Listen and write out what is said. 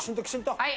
はい。